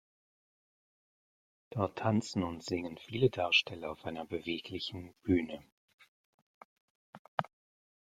Dort tanzen und singen viele Darsteller auf einer beweglichen Bühne.